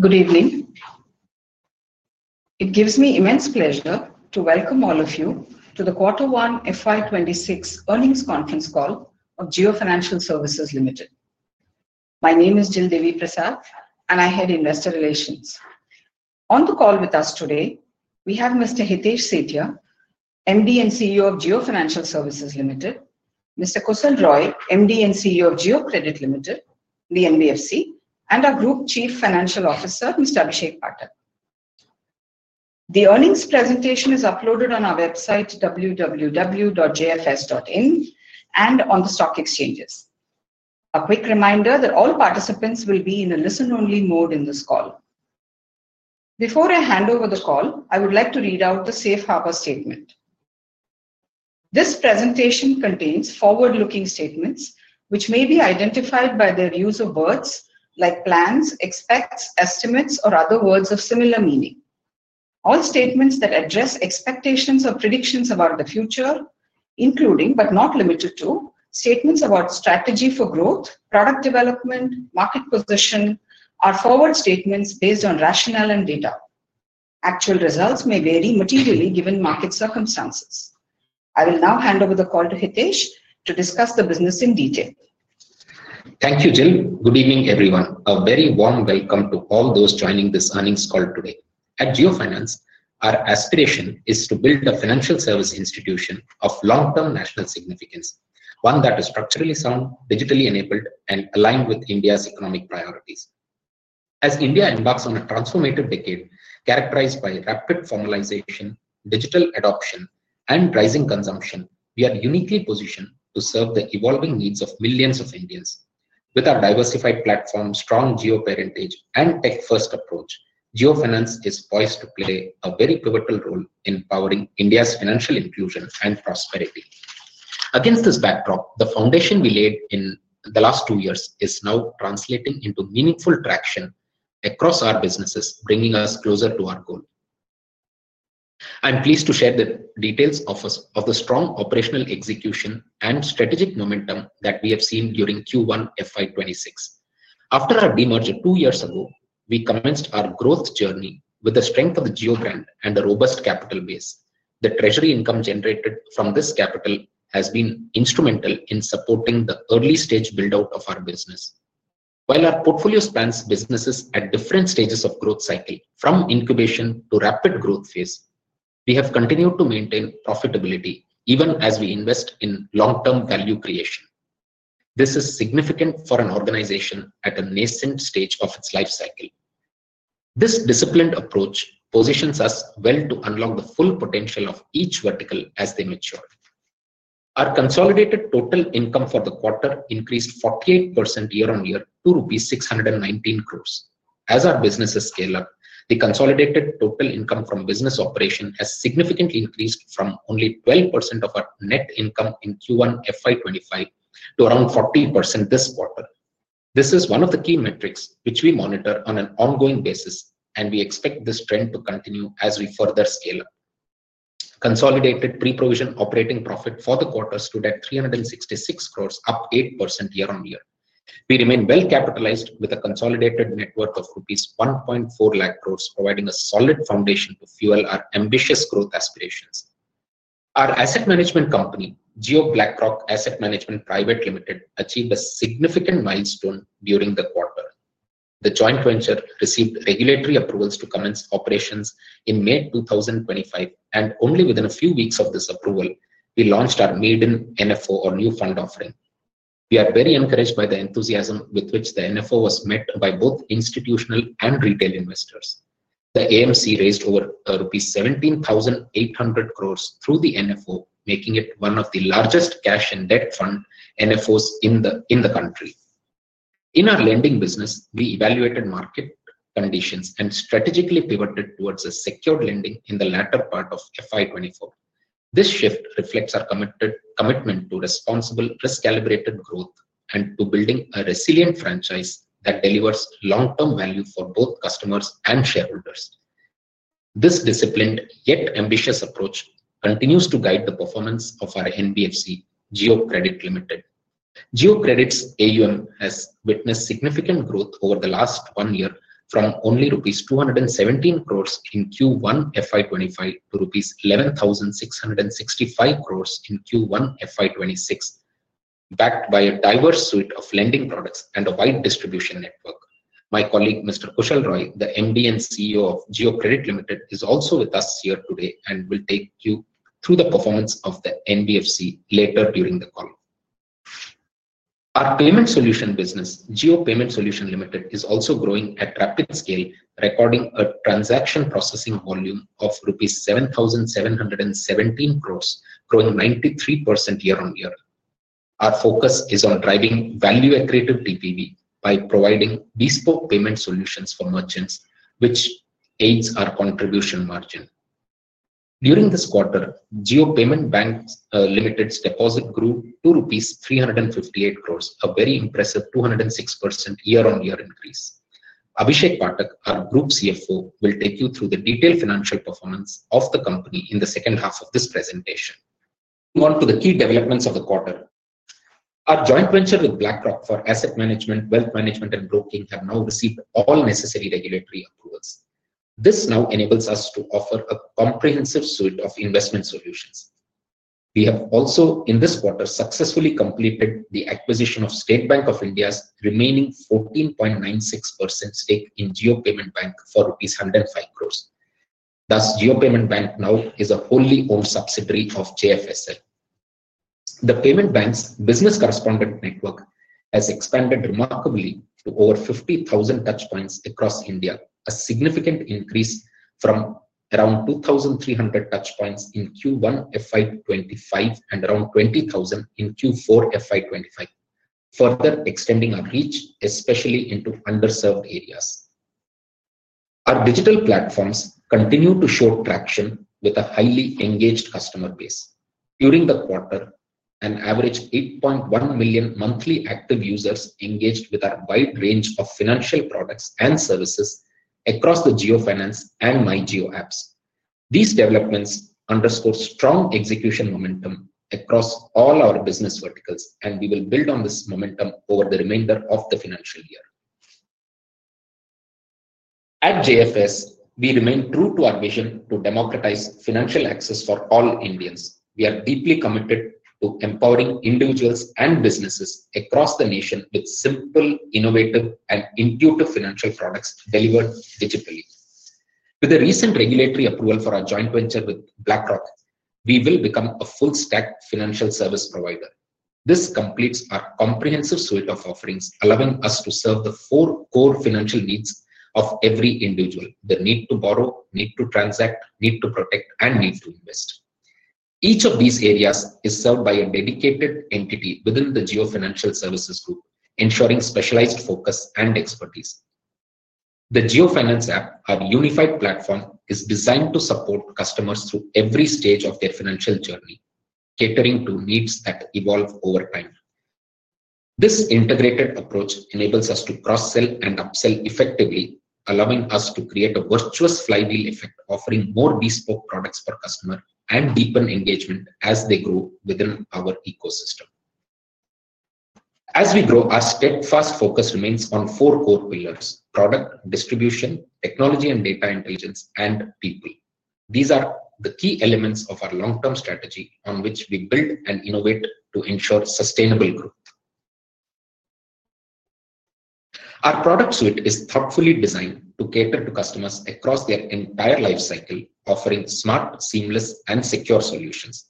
Good evening. It gives me immense pleasure to welcome all of you to the Quarter One FY 2026 Earnings Conference Call of Jio Financial Services Limited. My name is Jill Deviprasad, and I head investor relations. On the call with us today, we have Mr. Hitesh Sethia, MD and CEO of Jio Financial Services Limited, Mr. Kusal Roy, MD and CEO of Jio Credit Limited, the NBFC, and our Group Chief Financial Officer, Mr. Abhishek Pathak. The earnings presentation is uploaded on our website, www.jfs.in, and on the stock exchanges. A quick reminder that all participants will be in a listen-only mode in this call. Before I hand over the call, I would like to read out the Safe Harbor Statement. This presentation contains forward-looking statements which may be identified by their use of words like plans, expects, estimates, or other words of similar meaning. All statements that address expectations or predictions about the future, including but not limited to statements about strategy for growth, product development, and market position, are forward-looking statements based on rationale and data. Actual results may vary materially given market circumstances. I will now hand over the call to Hitesh to discuss the business in detail. Thank you, Jill. Good evening, everyone. A very warm welcome to all those joining this earnings call today. At Jio Finance, our aspiration is to build a financial service institution of long-term national significance, one that is structurally sound, digitally enabled, and aligned with India's economic priorities. As India embarks on a transformative decade characterized by rapid formalization, digital adoption, and rising consumption, we are uniquely positioned to serve the evolving needs of millions of Indians. With our diversified platform, strong Jio parentage, and tech-first approach, Jio Finance is poised to play a very pivotal role in powering India's financial inclusion and prosperity. Against this backdrop, the foundation we laid in the last two years is now translating into meaningful traction across our businesses, bringing us closer to our goal. I'm pleased to share the details of the strong operational execution and strategic momentum that we have seen during Q1 FY 2026. After our demerger two years ago, we commenced our growth journey with the strength of the Jio brand and the robust capital base. The treasury income generated from this capital has been instrumental in supporting the early-stage build-out of our business. While our portfolio spans businesses at different stages of growth cycle, from incubation to rapid growth phase, we have continued to maintain profitability even as we invest in long-term value creation. This is significant for an organization at a nascent stage of its life cycle. This disciplined approach positions us well to unlock the full potential of each vertical as they mature. Our consolidated total income for the quarter increased 48% year-on-year to 619 crores. As our businesses scale up, the consolidated total income from business operation has significantly increased from only 12% of our net income in Q1 FY 2025 to around 40% this quarter. This is one of the key metrics which we monitor on an ongoing basis, and we expect this trend to continue as we further scale up. Consolidated pre-provision operating profit for the quarter stood at 366 crores, up 8% year-on-year. We remain well-capitalized with a consolidated net worth of rupees 1.4 lakh crores, providing a solid foundation to fuel our ambitious growth aspirations. Our asset management company, Jio BlackRock Asset Management Private Limited, achieved a significant milestone during the quarter. The joint venture received regulatory approvals to commence operations in May 2025, and only within a few weeks of this approval, we launched our maiden NFO, or new fund offering. We are very encouraged by the enthusiasm with which the NFO was met by both institutional and retail investors. The AMC raised over INR 17,800 crores through the NFO, making it one of the largest cash and debt fund NFOs in the country. In our lending business, we evaluated market conditions and strategically pivoted towards a secured lending in the latter part of FY 2024. This shift reflects our commitment to responsible, risk-calibrated growth and to building a resilient franchise that delivers long-term value for both customers and shareholders. This disciplined yet ambitious approach continues to guide the performance of our NBFC, Jio Credit Limited. Jio Credit's AUM has witnessed significant growth over the last one year, from only rupees 217 crores in Q1 FY 2025 to rupees 11,665 crores in Q1 FY 2026. Backed by a diverse suite of lending products and a wide distribution network. My colleague, Mr. Kusal Roy, the MD and CEO of Jio Credit Limited, is also with us here today and will take you through the performance of the NBFC later during the call. Our payment solution business, Jio Payment Solutions Limited, is also growing at rapid scale, recording a transaction processing volume of rupees 7,717 crores, growing 93% year-on-year. Our focus is on driving value-accretive TPV by providing bespoke payment solutions for merchants, which aids our contribution margin. During this quarter, Jio Payment Bank Limited's deposit grew to 358 crores, a very impressive 206% year-on-year increase. Abhishek Pathak, our Group CFO, will take you through the detailed financial performance of the company in the second half of this presentation. Moving on to the key developments of the quarter. Our joint venture with BlackRock for asset management, wealth management, and broking have now received all necessary regulatory approvals. This now enables us to offer a comprehensive suite of investment solutions. We have also, in this quarter, successfully completed the acquisition of State Bank of India's remaining 14.96% stake in Jio Payment Bank for rupees 105 crores. Thus, Jio Payment Bank now is a wholly owned subsidiary of JFSL. The payment bank's business correspondent network has expanded remarkably to over 50,000 touch points across India, a significant increase from around 2,300 touch points in Q1 FY 2025 and around 20,000 in Q4 FY 2025, further extending our reach, especially into underserved areas. Our digital platforms continue to show traction with a highly engaged customer base. During the quarter, an average of 8.1 million monthly active users engaged with our wide range of financial products and services across the JioFinance and MyJio apps. These developments underscore strong execution momentum across all our business verticals, and we will build on this momentum over the remainder of the financial year. At JFS, we remain true to our vision to democratize financial access for all Indians. We are deeply committed to empowering individuals and businesses across the nation with simple, innovative, and intuitive financial products delivered digitally. With the recent regulatory approval for our joint venture with BlackRock, we will become a full-stack financial service provider. This completes our comprehensive suite of offerings, allowing us to serve the four core financial needs of every individual: the need to borrow, need to transact, need to protect, and need to invest. Each of these areas is served by a dedicated entity within the Jio Financial Services Group, ensuring specialized focus and expertise. The Jio Finance app, our unified platform, is designed to support customers through every stage of their financial journey, catering to needs that evolve over time. This integrated approach enables us to cross-sell and upsell effectively, allowing us to create a virtuous flywheel effect, offering more bespoke products per customer and deepen engagement as they grow within our ecosystem. As we grow, our steadfast focus remains on four core pillars: product, distribution, technology and data intelligence, and people. These are the key elements of our long-term strategy on which we build and innovate to ensure sustainable growth. Our product suite is thoughtfully designed to cater to customers across their entire life cycle, offering smart, seamless, and secure solutions.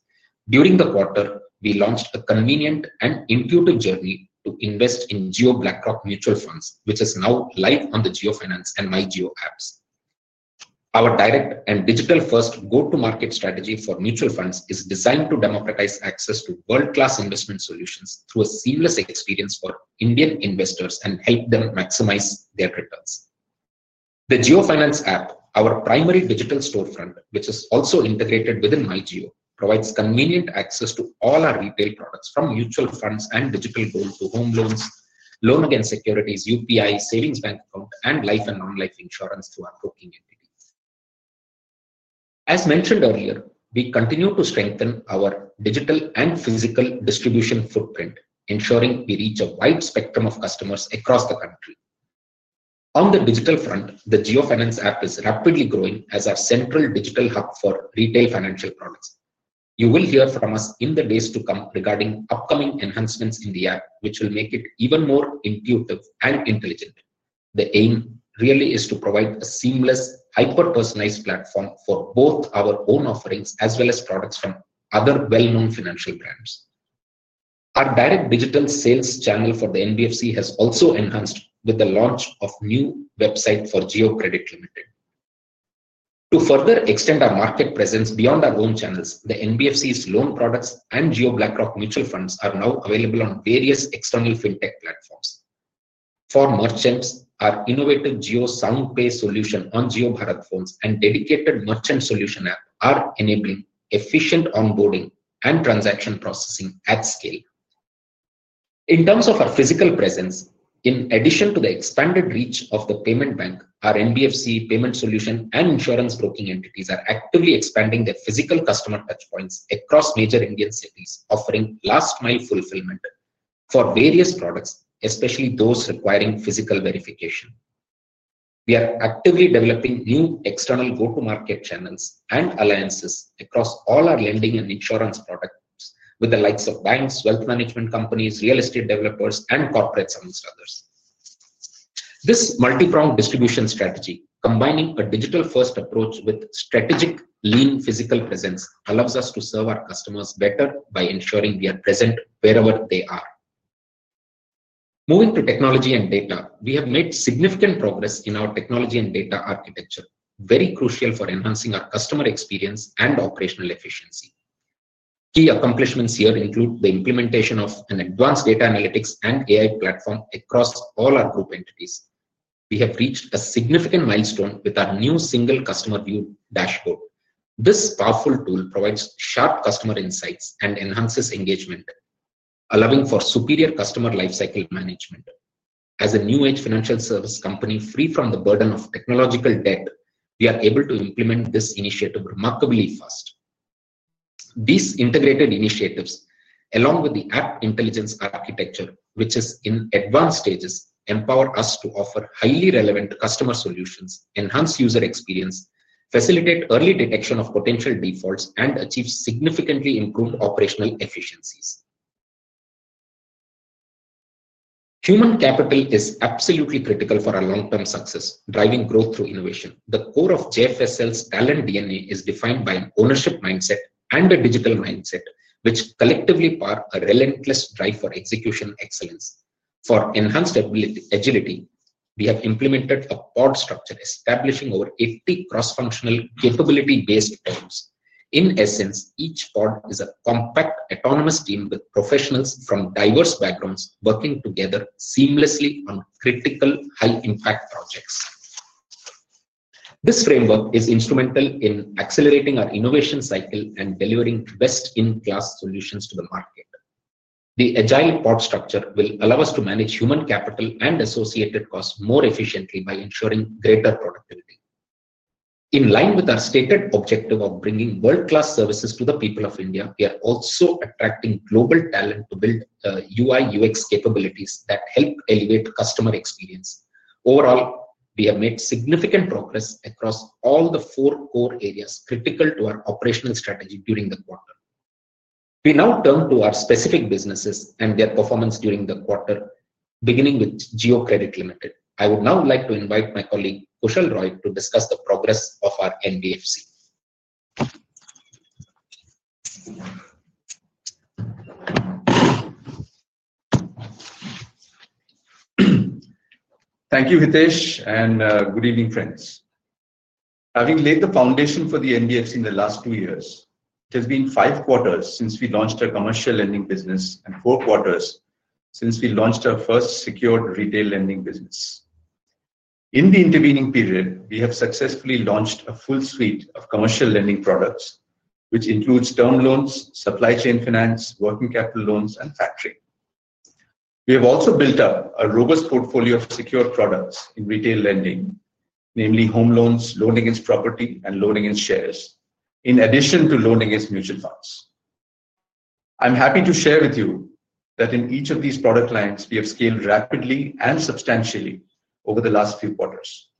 During the quarter, we launched a convenient and intuitive journey to invest in Jio BlackRock mutual funds, which is now live on the JioFinance and MyJio apps. Our direct and digital-first go-to-market strategy for mutual funds is designed to democratize access to world-class investment solutions through a seamless experience for Indian investors and help them maximize their returns. The JioFinance app, our primary digital storefront, which is also integrated within MyJio, provides convenient access to all our retail products from mutual funds and digital gold to home loans, loan against securities, UPI, savings bank account, and life and non-life insurance through our broking entity. As mentioned earlier, we continue to strengthen our digital and physical distribution footprint, ensuring we reach a wide spectrum of customers across the country. On the digital front, the JioFinance app is rapidly growing as our central digital hub for retail financial products. You will hear from us in the days to come regarding upcoming enhancements in the app, which will make it even more intuitive and intelligent. The aim really is to provide a seamless, hyper-personalized platform for both our own offerings as well as products from other well-known financial brands. Our direct digital sales channel for the NBFC has also enhanced with the launch of a new website for Jio Credit Limited. To further extend our market presence beyond our own channels, the NBFC's loan products and Jio BlackRock mutual funds are now available on various external fintech platforms. For merchants, our innovative JioSoundPay solution on JioBharat phones and dedicated merchant solution app are enabling efficient onboarding and transaction processing at scale. In terms of our physical presence, in addition to the expanded reach of the payment bank, our NBFC payment solution and insurance broking entities are actively expanding their physical customer touch points across major Indian cities, offering last-mile fulfillment for various products, especially those requiring physical verification. We are actively developing new external go-to-market channels and alliances across all our lending and insurance products with the likes of banks, wealth management companies, real estate developers, and corporate services. This multi-pronged distribution strategy, combining a digital-first approach with strategic lean physical presence, allows us to serve our customers better by ensuring we are present wherever they are. Moving to technology and data, we have made significant progress in our technology and data architecture, very crucial for enhancing our customer experience and operational efficiency. Key accomplishments here include the implementation of an advanced data analytics and AI platform across all our group entities. We have reached a significant milestone with our new single customer view dashboard. This powerful tool provides sharp customer insights and enhances engagement, allowing for superior customer lifecycle management. As a new-age financial service company free from the burden of technological debt, we are able to implement this initiative remarkably fast. These integrated initiatives, along with the app intelligence architecture, which is in advanced stages, empower us to offer highly relevant customer solutions, enhance user experience, facilitate early detection of potential defaults, and achieve significantly improved operational efficiencies. Human capital is absolutely critical for our long-term success, driving growth through innovation. The core of JFSL's talent DNA is defined by an ownership mindset and a digital mindset, which collectively power a relentless drive for execution excellence. For enhanced agility, we have implemented a pod structure, establishing over 80 cross-functional capability-based pods. In essence, each pod is a compact autonomous team with professionals from diverse backgrounds working together seamlessly on critical, high-impact projects. This framework is instrumental in accelerating our innovation cycle and delivering best-in-class solutions to the market. The agile pod structure will allow us to manage human capital and associated costs more efficiently by ensuring greater productivity. In line with our stated objective of bringing world-class services to the people of India, we are also attracting global talent to build UI/UX capabilities that help elevate customer experience. Overall, we have made significant progress across all the four core areas critical to our operational strategy during the quarter. We now turn to our specific businesses and their performance during the quarter, beginning with Jio Credit Limited. I would now like to invite my colleague, Kusal Roy, to discuss the progress of our NBFC. Thank you, Hitesh, and good evening, friends. Having laid the foundation for the NBFC in the last two years, it has been five quarters since we launched our commercial lending business and four quarters since we launched our first secured retail lending business. In the intervening period, we have successfully launched a full suite of commercial lending products, which includes term loans, supply chain finance, working capital loans, and factoring. We have also built up a robust portfolio of secured products in retail lending, namely home loans, loan against property, and loan against shares, in addition to loan against mutual funds. I'm happy to share with you that in each of these product lines, we have scaled rapidly and substantially over the last few quarters.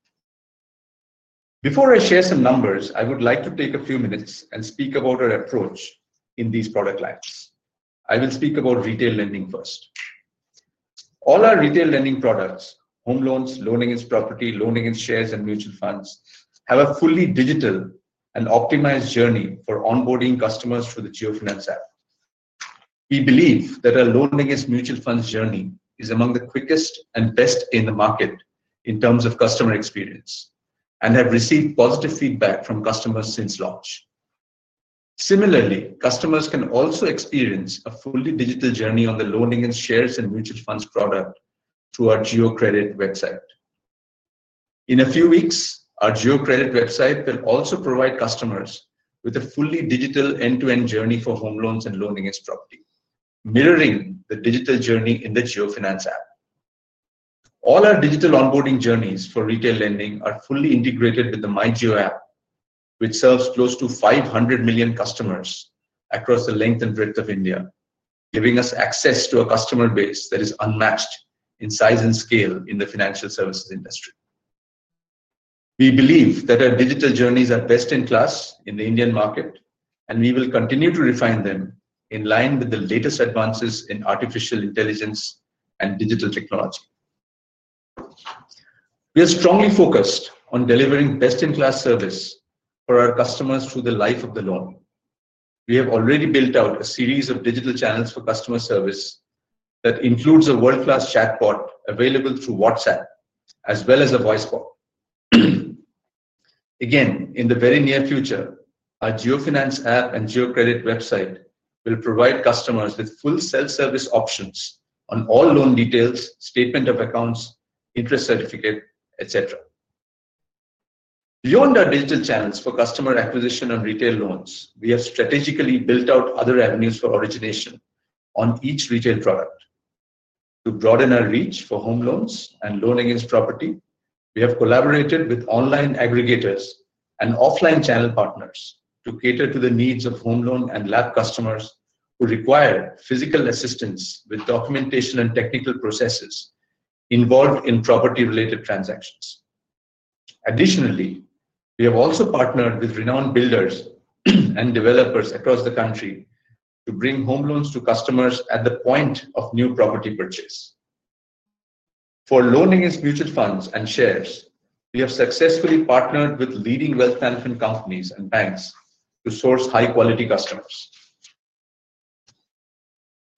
Before I share some numbers, I would like to take a few minutes and speak about our approach in these product lines. I will speak about retail lending first. All our retail lending products (home loans, loan against property, loan against shares, and mutual funds) have a fully digital and optimized journey for onboarding customers through the JioFinance app. We believe that our loan against mutual funds journey is among the quickest and best in the market in terms of customer experience and have received positive feedback from customers since launch. Similarly, customers can also experience a fully digital journey on the loan against shares and mutual funds product through our Jio Credit website. In a few weeks, our Jio Credit website will also provide customers with a fully digital end-to-end journey for home loans and loan against property, mirroring the digital journey in the JioFinance app. All our digital onboarding journeys for retail lending are fully integrated with the MyJio app, which serves close to 500 million customers across the length and breadth of India, giving us access to a customer base that is unmatched in size and scale in the financial services industry. We believe that our digital journeys are best in class in the Indian market, and we will continue to refine them in line with the latest advances in artificial intelligence and digital technology. We are strongly focused on delivering best-in-class service for our customers through the life of the loan. We have already built out a series of digital channels for customer service that includes a world-class chatbot available through WhatsApp, as well as a voice bot. Again, in the very near future, our JioFinance app and Jio Credit website will provide customers with full self-service options on all loan details, statement of accounts, interest certificates, etc. Beyond our digital channels for customer acquisition on retail loans, we have strategically built out other avenues for origination on each retail product. To broaden our reach for home loans and loan against property, we have collaborated with online aggregators and offline channel partners to cater to the needs of home loan and lab customers who require physical assistance with documentation and technical processes involved in property-related transactions. Additionally, we have also partnered with renowned builders and developers across the country to bring home loans to customers at the point of new property purchase. For loan against mutual funds and shares, we have successfully partnered with leading wealth management companies and banks to source high-quality customers.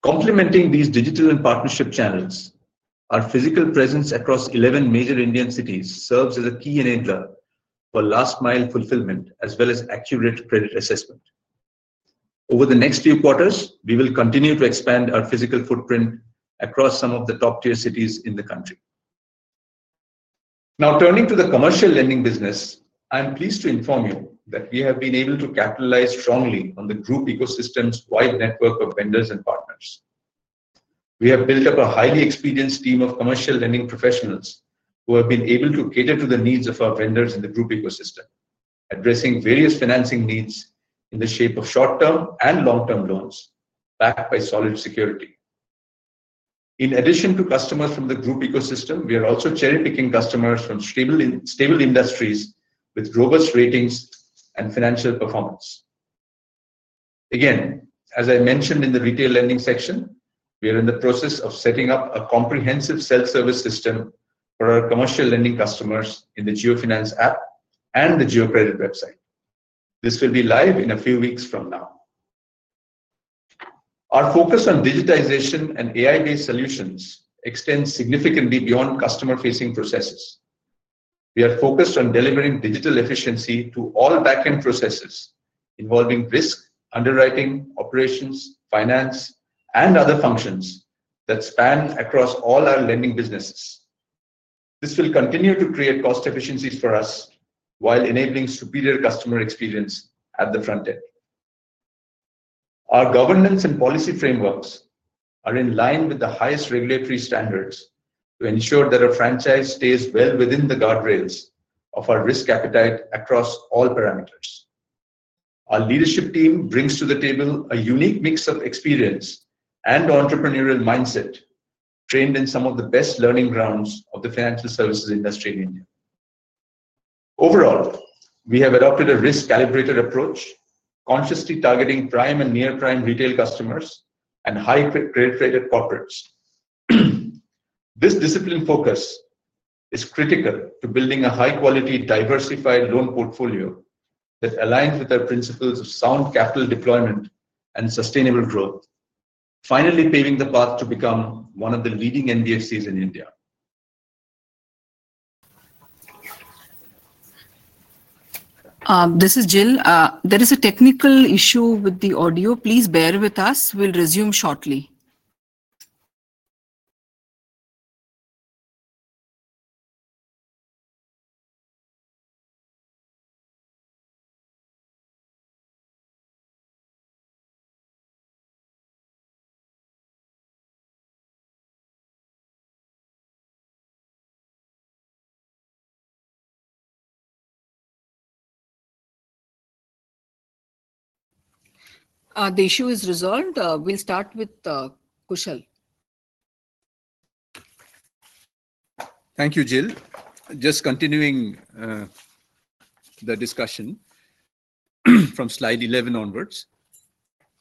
Complementing these digital and partnership channels, our physical presence across 11 major Indian cities serves as a key enabler for last-mile fulfillment as well as accurate credit assessment. Over the next few quarters, we will continue to expand our physical footprint across some of the top-tier cities in the country. Now, turning to the commercial lending business, I'm pleased to inform you that we have been able to capitalize strongly on the group ecosystem's wide network of vendors and partners. We have built up a highly experienced team of commercial lending professionals who have been able to cater to the needs of our vendors in the group ecosystem, addressing various financing needs in the shape of short-term and long-term loans backed by solid security. In addition to customers from the group ecosystem, we are also cherry-picking customers from stable industries with robust ratings and financial performance. Again, as I mentioned in the retail lending section, we are in the process of setting up a comprehensive self-service system for our commercial lending customers in the JioFinance app and the Jio Credit website. This will be live in a few weeks from now. Our focus on digitization and AI-based solutions extends significantly beyond customer-facing processes. We are focused on delivering digital efficiency to all backend processes involving risk, underwriting, operations, finance, and other functions that span across all our lending businesses. This will continue to create cost efficiencies for us while enabling superior customer experience at the front end. Our governance and policy frameworks are in line with the highest regulatory standards to ensure that our franchise stays well within the guardrails of our risk appetite across all parameters. Our leadership team brings to the table a unique mix of experience and entrepreneurial mindset trained in some of the best learning grounds of the financial services industry in India. Overall, we have adopted a risk-calibrated approach, consciously targeting prime and near-prime retail customers and high-grade credit corporates. This disciplined focus is critical to building a high-quality, diversified loan portfolio that aligns with our principles of sound capital deployment and sustainable growth, finally paving the path to become one of the leading NBFCs in India. This is Jill. There is a technical issue with the audio. Please bear with us. We'll resume shortly. The issue is resolved. We'll start with Kusal. Thank you, Jill. Just continuing. The discussion. From slide 11 onwards.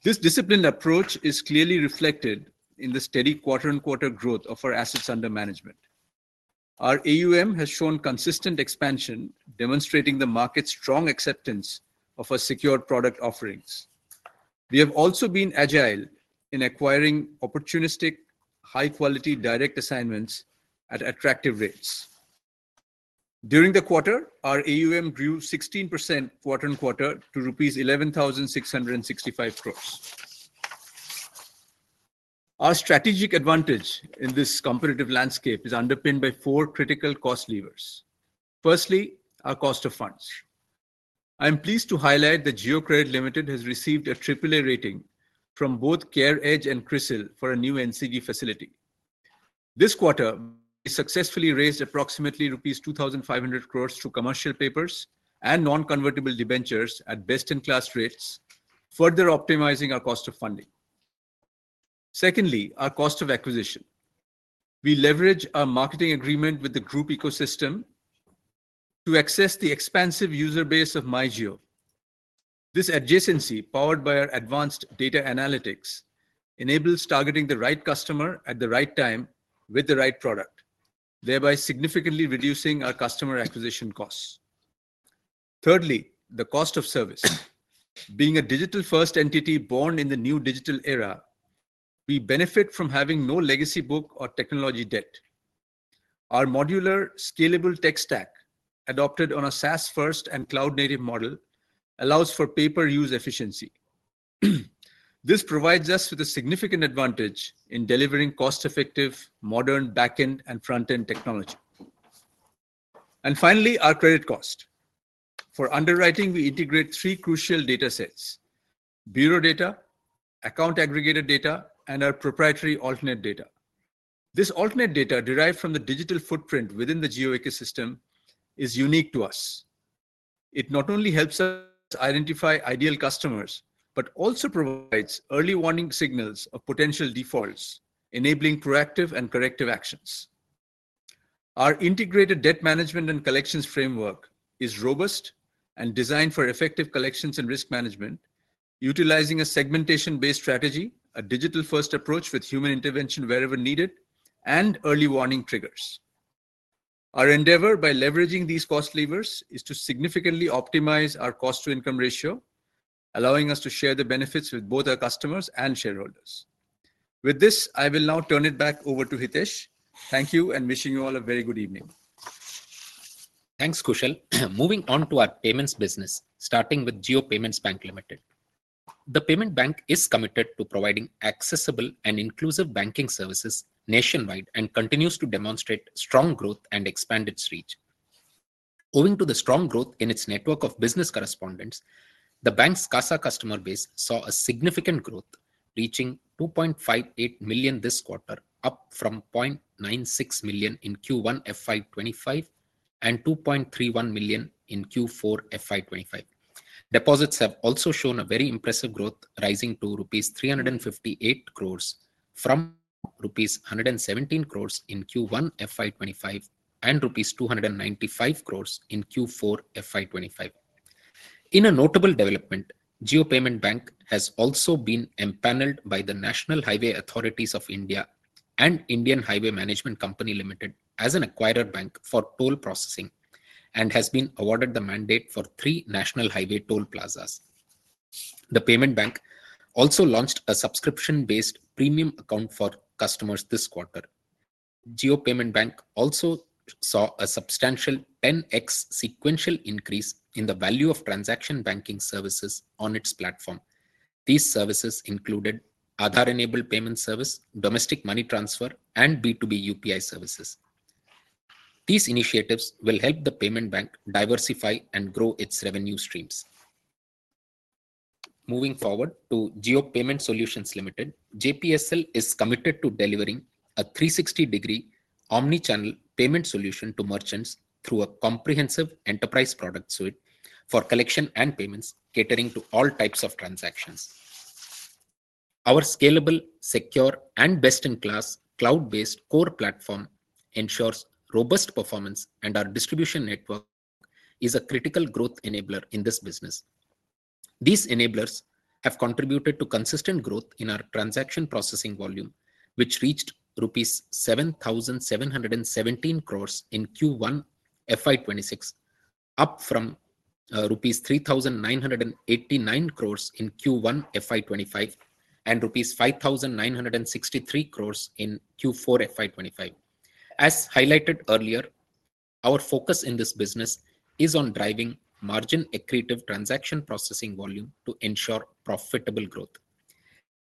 This disciplined approach is clearly reflected in the steady quarter-on-quarter growth of our assets under management. Our AUM has shown consistent expansion, demonstrating the market's strong acceptance of our secured product offerings. We have also been agile in acquiring opportunistic, high-quality direct assignments at attractive rates. During the quarter, our AUM grew 16% quarter-on-quarter to rupees 11,665 crore. Our strategic advantage in this competitive landscape is underpinned by four critical cost levers. Firstly, our cost of funds. I'm pleased to highlight that Jio Credit Limited has received a AAA rating from both CareEdge and CRISIL for a new NCD facility. This quarter, we successfully raised approximately rupees 2,500 crore through commercial papers and non-convertible debentures at best-in-class rates, further optimizing our cost of funding. Secondly, our cost of acquisition. We leverage our marketing agreement with the group ecosystem. To access the expansive user base of MyJio. This adjacency, powered by our advanced data analytics, enables targeting the right customer at the right time with the right product, thereby significantly reducing our customer acquisition costs. Thirdly, the cost of service. Being a digital-first entity born in the new digital era, we benefit from having no legacy book or technology debt. Our modular, scalable tech stack, adopted on a SaaS-first and cloud-native model, allows for paper use efficiency. This provides us with a significant advantage in delivering cost-effective, modern backend and frontend technology. And finally, our credit cost. For underwriting, we integrate three crucial data sets: bureau data, account aggregator data, and our proprietary alternate data. This alternate data, derived from the digital footprint within the Jio ecosystem, is unique to us. It not only helps us identify ideal customers but also provides early warning signals of potential defaults, enabling proactive and corrective actions. Our integrated debt management and collections framework is robust and designed for effective collections and risk management, utilizing a segmentation-based strategy, a digital-first approach with human intervention wherever needed, and early warning triggers. Our endeavor by leveraging these cost levers is to significantly optimize our cost-to-income ratio, allowing us to share the benefits with both our customers and shareholders. With this, I will now turn it back over to Hitesh. Thank you, and wishing you all a very good evening. Thanks, Kusal. Moving on to our payments business, starting with Jio Payment Bank Limited. The payment bank is committed to providing accessible and inclusive banking services nationwide and continues to demonstrate strong growth and expand its reach. Owing to the strong growth in its network of business correspondents, the bank's CASA customer base saw a significant growth, reaching 2.58 million this quarter, up from 0.96 million in Q1 FY 2025 and 2.31 million in Q4 FY 2025. Deposits have also shown a very impressive growth, rising to rupees 358 crores from rupees 117 crores in Q1 FY 2025 and rupees 295 crores in Q4 FY 2025. In a notable development, Jio Payment Bank has also been empaneled by the National Highways Authority of India and Indian Highway Management Company Limited as an acquirer bank for toll processing and has been awarded the mandate for three national highway toll plazas. The payment bank also launched a subscription-based premium account for customers this quarter. Jio Payment Bank also saw a substantial 10x sequential increase in the value of transaction banking services on its platform. These services included Aadhaar-enabled payment service, domestic money transfer, and B2B UPI services. These initiatives will help the payment bank diversify and grow its revenue streams. Moving forward to Jio Payment Solutions Limited, JPSL is committed to delivering a 360-degree omnichannel payment solution to merchants through a comprehensive enterprise product suite for collection and payments, catering to all types of transactions. Our scalable, secure, and best-in-class cloud-based core platform ensures robust performance, and our distribution network is a critical growth enabler in this business. These enablers have contributed to consistent growth in our transaction processing volume, which reached rupees 7,717 crores in Q1 FY 2026, up from rupees 3,989 crores in Q1 FY 2025 and rupees 5,963 crores in Q4 FY 2025. As highlighted earlier, our focus in this business is on driving margin-accretive transaction processing volume to ensure profitable growth.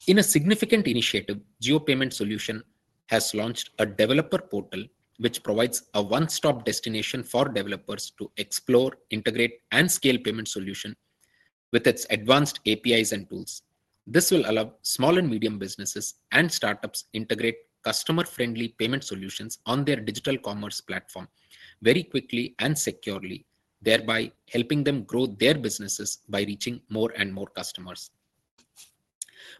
In a significant initiative, Jio Payment Solutions has launched a developer portal, which provides a one-stop destination for developers to explore, integrate, and scale payment solutions with its advanced APIs and tools. This will allow small and medium businesses and startups to integrate customer-friendly payment solutions on their digital commerce platform very quickly and securely, thereby helping them grow their businesses by reaching more and more customers.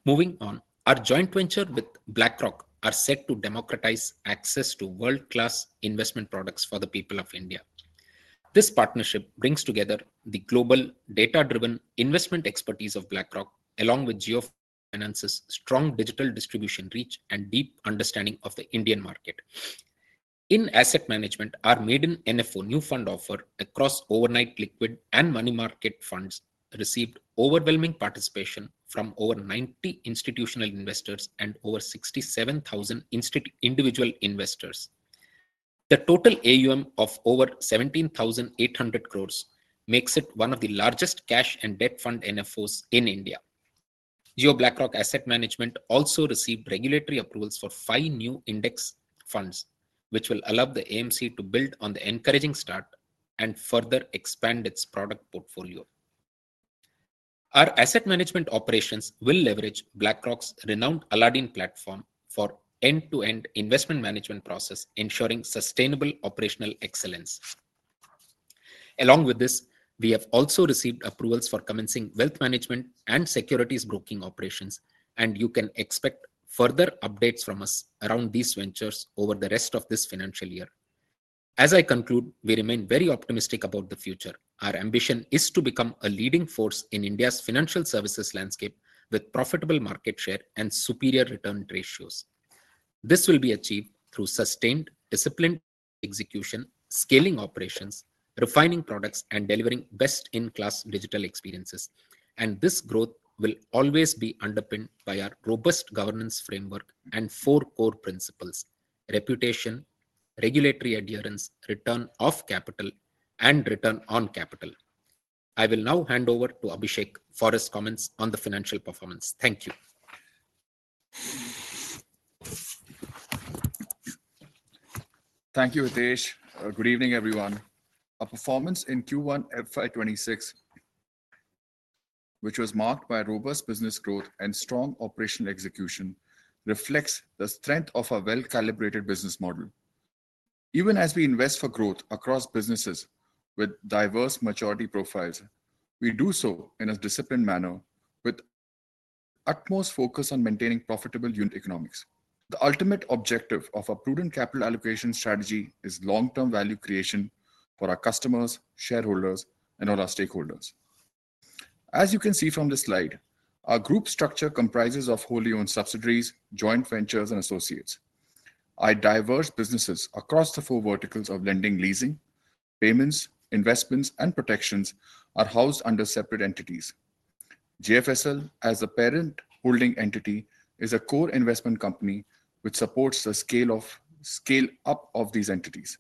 Moving on, our joint venture with BlackRock is set to democratize access to world-class investment products for the people of India. This partnership brings together the global data-driven investment expertise of BlackRock, along with JioFinance's strong digital distribution reach and deep understanding of the Indian market. In asset management, our maiden NFO new fund offer across overnight liquid and money market funds received overwhelming participation from over 90 institutional investors and over 67,000 individual investors. The total AUM of over 17,800 crores makes it one of the largest cash and debt fund NFOs in India. Jio BlackRock Asset Management also received regulatory approvals for 5 new index funds, which will allow the AMC to build on the encouraging start and further expand its product portfolio. Our asset management operations will leverage BlackRock's renowned Aladdin platform for end-to-end investment management process, ensuring sustainable operational excellence. Along with this, we have also received approvals for commencing wealth management and securities broking operations, and you can expect further updates from us around these ventures over the rest of this financial year. As I conclude, we remain very optimistic about the future. Our ambition is to become a leading force in India's financial services landscape with profitable market share and superior return ratios. This will be achieved through sustained discipline execution, scaling operations, refining products, and delivering best-in-class digital experiences. And this growth will always be underpinned by our robust governance framework and four core principles. Reputation, regulatory adherence, return of capital, and return on capital. I will now hand over to Abhishek for his comments on the financial performance. Thank you. Thank you, Hitesh. Good evening, everyone. Our performance in Q1 FY 2026, which was marked by robust business growth and strong operational execution, reflects the strength of our well-calibrated business model. Even as we invest for growth across businesses with diverse maturity profiles, we do so in a disciplined manner, with utmost focus on maintaining profitable unit economics. The ultimate objective of a prudent capital allocation strategy is long-term value creation for our customers, shareholders, and all our stakeholders. As you can see from this slide, our group structure comprises of wholly owned subsidiaries, joint ventures, and associates. Our diverse businesses across the four verticals of lending, leasing, payments, investments, and protections are housed under separate entities. JFSL, as the parent holding entity, is a core investment company which supports the scale-up of these entities.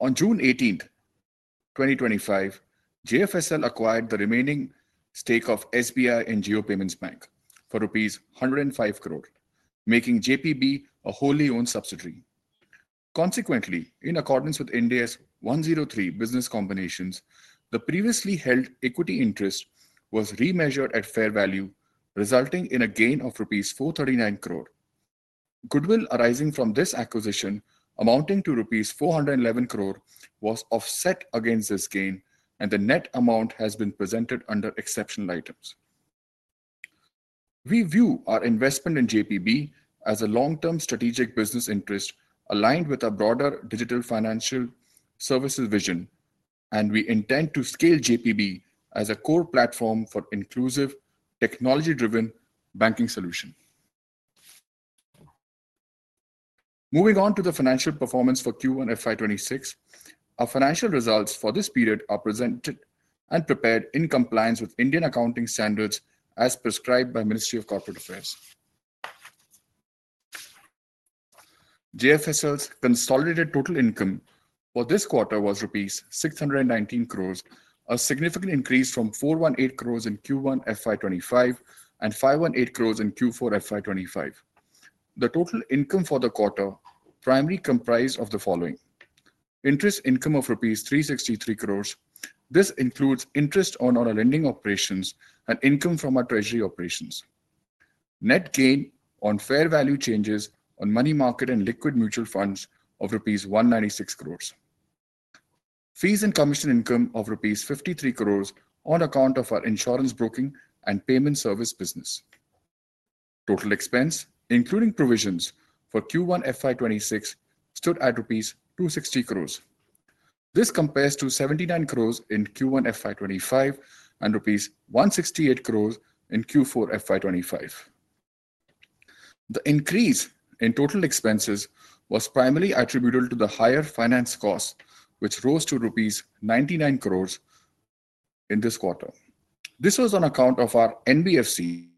On June 18, 2025, JFSL acquired the remaining stake of SBI and Jio Payment Bank for rupees 105 crore, making JPB a wholly owned subsidiary. Consequently, in accordance with Ind AS 103 business combinations, the previously held equity interest was remeasured at fair value, resulting in a gain of rupees 439 crore. Goodwill arising from this acquisition, amounting to rupees 411 crore, was offset against this gain, and the net amount has been presented under exceptional items. We view our investment in JPB as a long-term strategic business interest aligned with our broader digital financial services vision, and we intend to scale JPB as a core platform for an inclusive, technology-driven banking solution. Moving on to the financial performance for Q1 FY 2026, our financial results for this period are presented and prepared in compliance with Indian accounting standards as prescribed by the Ministry of Corporate Affairs. JFSL's consolidated total income for this quarter was rupees 619 crore, a significant increase from 418 crore in Q1 FY 2025 and 518 crore in Q4 FY 2025. The total income for the quarter primarily comprised of the following. Interest income of rupees 363 crore. This includes interest on our lending operations and income from our treasury operations. Net gain on fair value changes on money market and liquid mutual funds of rupees 196 crore. Fees and commission income of rupees 53 crore on account of our insurance broking and payment service business. Total expense, including provisions for Q1 FY 2026, stood at rupees 260 crore. This compares to 79 crore in Q1 FY 2025 and rupees 168 crore in Q4 FY 2025. The increase in total expenses was primarily attributable to the higher finance costs, which rose to rupees 99 crore. In this quarter. This was on account of our NBFC,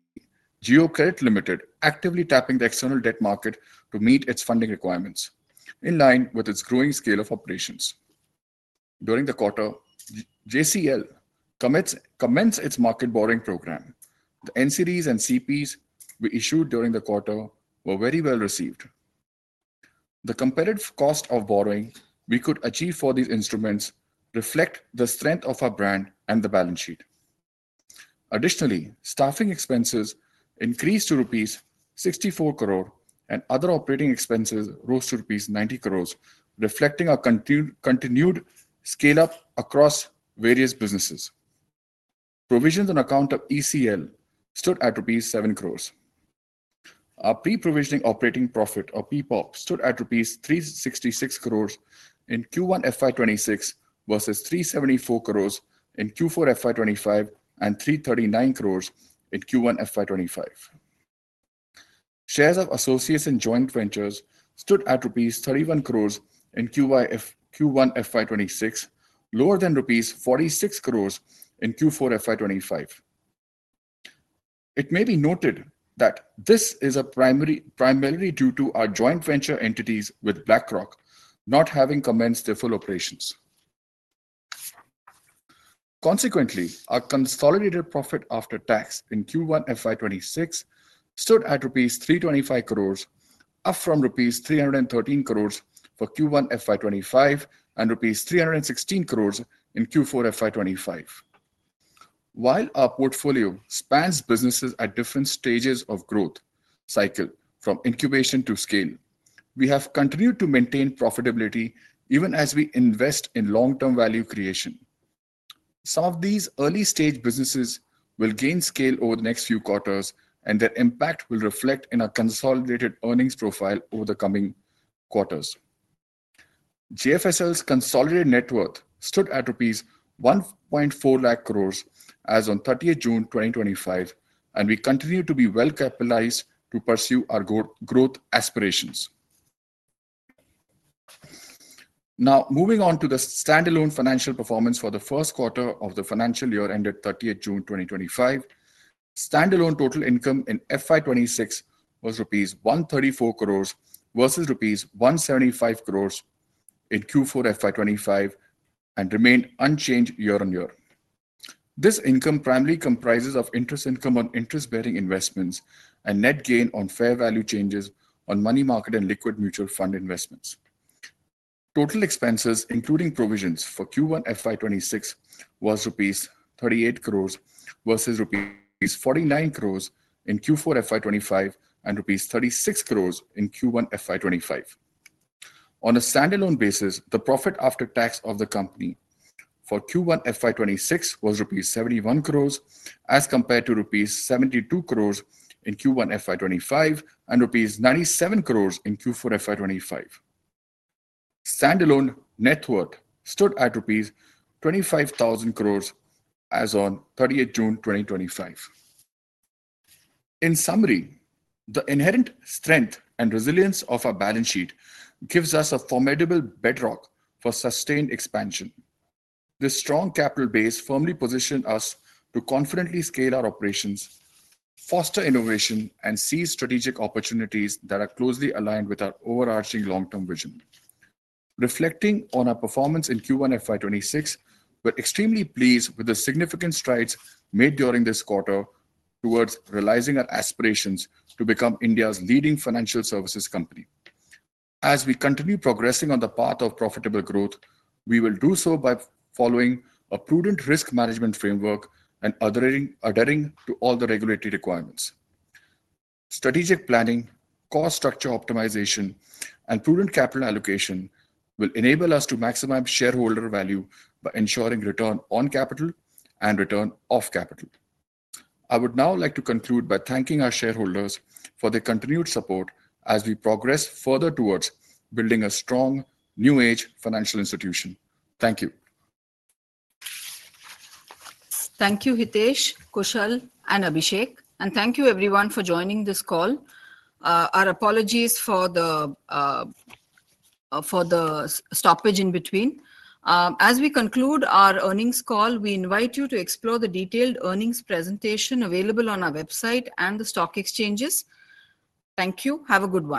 Jio Credit Limited, actively tapping the external debt market to meet its funding requirements, in line with its growing scale of operations. During the quarter, JCL commenced its market borrowing program. The NCDs and CPs we issued during the quarter were very well received. The competitive cost of borrowing we could achieve for these instruments reflects the strength of our brand and the balance sheet. Additionally, staffing expenses increased to rupees 64 crore, and other operating expenses rose to rupees 90 crore, reflecting our continued scale-up across various businesses. Provisions on account of ECL stood at rupees 7 crore. Our pre-provisioning operating profit, or PPOP, stood at rupees 366 crore in Q1 FY 2026 versus 374 crore in Q4 FY 2025 and 339 crore in Q1 FY 2025. Shares of Associates and Joint Ventures stood at rupees 31 crore in Q1 FY 2026, lower than rupees 46 crore in Q4 FY 2025. It may be noted that this is primarily due to our joint venture entities with BlackRock not having commenced their full operations. Consequently, our consolidated profit after tax in Q1 FY 2026 stood at rupees 325 crore, up from rupees 313 crore for Q1 FY 2025 and rupees 316 crore in Q4 FY 2025. While our portfolio spans businesses at different stages of growth cycle, from incubation to scale, we have continued to maintain profitability even as we invest in long-term value creation. Some of these early-stage businesses will gain scale over the next few quarters, and their impact will reflect in our consolidated earnings profile over the coming quarters. JFSL's consolidated net worth stood at rupees 1.4 lakh crores as of 30 June 2025, and we continue to be well-capitalized to pursue our growth aspirations. Now, moving on to the standalone financial performance for the first quarter of the financial year ended 30 June 2025. Standalone total income in FY 2026 was rupees 134 crores versus rupees 175 crores in Q4 FY 2025 and remained unchanged year-on-year. This income primarily comprises interest income on interest-bearing investments and net gain on fair value changes on money market and liquid mutual fund investments. Total expenses, including provisions for Q1 FY 2026, was INR 38 crores versus 49 crores in Q4 FY 2025 and rupees 36 crores in Q1 FY 2025. On a standalone basis, the profit after tax of the company for Q1 FY 2026 was rupees 71 crores as compared to rupees 72 crores in Q1 FY 2025 and rupees 97 crores in Q4 FY 2025. Standalone net worth stood at rupees 25,000 crores as of 30 June 2025. In summary, the inherent strength and resilience of our balance sheet gives us a formidable bedrock for sustained expansion. This strong capital base firmly positions us to confidently scale our operations, foster innovation, and seize strategic opportunities that are closely aligned with our overarching long-term vision. Reflecting on our performance in Q1 FY 2026, we're extremely pleased with the significant strides made during this quarter towards realizing our aspirations to become India's leading financial services company. As we continue progressing on the path of profitable growth, we will do so by following a prudent risk management framework and adhering to all the regulatory requirements. Strategic planning, cost structure optimization, and prudent capital allocation will enable us to maximize shareholder value by ensuring return on capital and return off capital. I would now like to conclude by thanking our shareholders for their continued support as we progress further towards building a strong, new-age financial institution. Thank you. Thank you, Hitesh, Kusal, and Abhishek. And thank you, everyone, for joining this call. Our apologies for the stoppage in between. As we conclude our earnings call, we invite you to explore the detailed earnings presentation available on our website and the stock exchanges. Thank you. Have a good one.